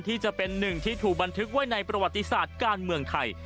ที่จะเป็นหนึ่งที่ถูกบันทึกไว้ในประวัติศาสตร์การเมืองไทย